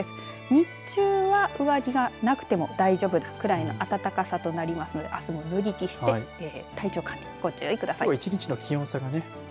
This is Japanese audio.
日中は上着がなくても大丈夫なくらいの暖かさとなりますのであすも脱ぎ着して体調管理、ご注意ください。